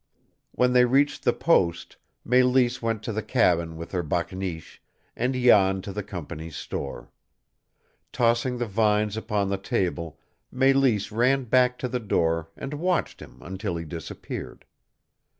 When they reached the post, Mélisse went to the cabin with her bakneesh, and Jan to the company's store. Tossing the vines upon the table, Mélisse ran back to the door and watched him until he disappeared.